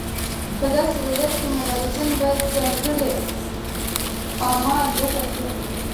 په داسې وضعیت کې مبارزین باید ځانګړي اعمال وټاکي.